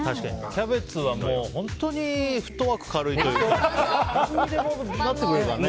キャベツは本当にフットワーク軽いというかね。